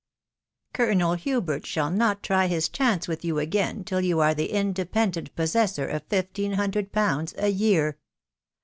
Colonel Hubert shall not try his chance with you again till you are the independent possessor of fifteen hundred pounds a year.